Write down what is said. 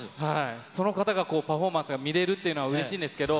その方が、パフォーマンスが見れるというのは、うれしいんですけど。